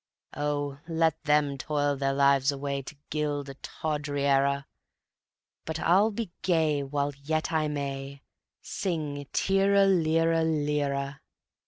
_ Oh, let them toil their lives away To gild a tawdry era, But I'll be gay while yet I may: _Sing tira lira lira.